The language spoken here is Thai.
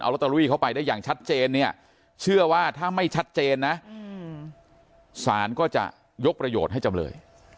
ลอตเตอรี่เข้าไปได้อย่างชัดเจนเนี่ยเชื่อว่าถ้าไม่ชัดเจนนะศาลก็จะยกประโยชน์ให้จำเลย